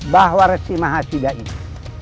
bahwa resi mahasida itu